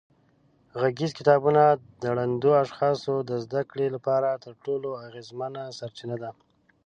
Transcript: غږیز کتابونه د ړندو اشخاصو د زده کړې لپاره تر ټولو اغېزمنه سرچینه ده.